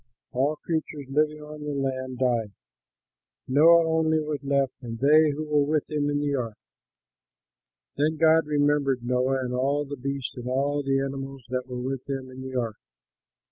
All creatures living on the land died. Noah only was left and they who were with him in the ark. Then God remembered Noah and all the beasts and all the animals that were with him in the ark.